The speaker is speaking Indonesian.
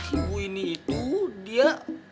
ibu ini itu dia